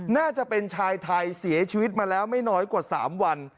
น่าจะเป็นชายไทยเสียชีวิตมาแล้วไม่น้อยกว่า๓วัน